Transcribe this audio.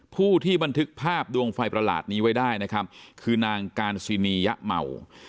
ผู้ที่บันทึกภาพดวงไฟประหลาดนี้ไว้ได้นะครับคือนางการซินียะเหมา